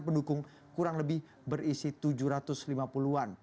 pendukung kurang lebih berisi tujuh ratus lima puluh an